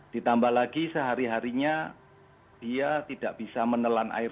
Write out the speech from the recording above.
ditambah lagi sehari harinya dia tidak bisa menelan air